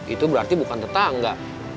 itu berarti bukan tetangga